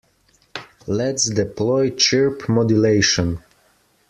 Let's deploy chirp modulation.